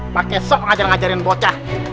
pakai sok ngejarin bocah